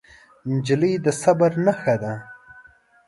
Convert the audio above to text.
نجلۍ د صبر نښه ده.